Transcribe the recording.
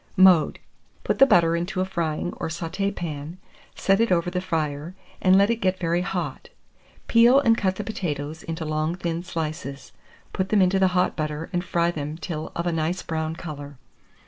Mode. Put the butter into a frying or sauté pan, set it over the fire, and let it get very hot; peel, and cut the potatoes into long thin slices; put them into the hot butter, and fry them till of a nice brown colour.